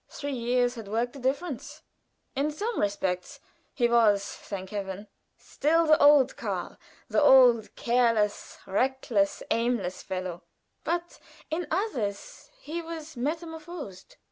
Three years had worked a difference. In some respects he was, thank Heaven! still the old Karl the old careless, reckless, aimless fellow; but in others he was metamorphosed.